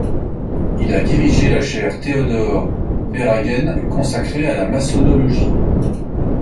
Il a dirigé la Chaire Théodore Verhaegen consacrée à la maçonnologie.